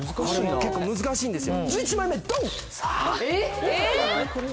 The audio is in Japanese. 結構難しいんですよ。